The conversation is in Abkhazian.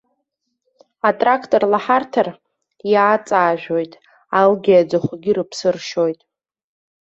Атрақтор лаҳархар, иааҵаажәоит, алгьы аӡахәагьы рыԥсы ршьоит.